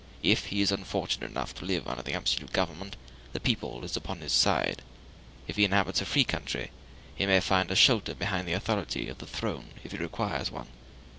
If he is unfortunate enough to live under an absolute government, the people is upon his side; if he inhabits a free country, he may find a shelter behind the authority of the throne, if he require one.